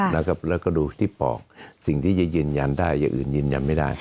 แล้วก็ดูที่ปอกสิ่งที่จะยืนยันได้อย่างอื่นยืนยันไม่ได้